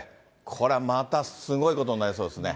これはまたすごいことになりそうですね。